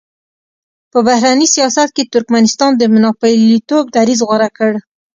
په بهرني سیاست کې ترکمنستان د ناپېیلتوب دریځ غوره کړی.